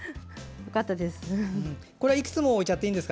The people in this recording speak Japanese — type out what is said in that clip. よかったです。